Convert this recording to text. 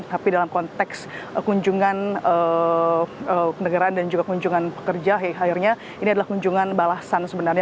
tapi dalam konteks kunjungan ke negara dan juga kunjungan pekerja akhirnya ini adalah kunjungan balasan sebenarnya